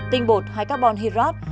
tinh bột hay carbon hydrate